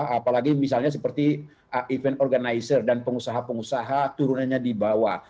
apalagi misalnya seperti event organizer dan pengusaha pengusaha turunannya di bawah